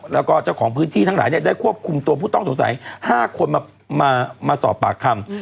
แล้วก็เจ้าของพื้นที่ทั้งหลายได้ควบคุมตัวผู้ต้องสงสัย๕คนมาสอบปากคำ